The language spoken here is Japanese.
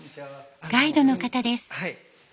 ガイドの方です。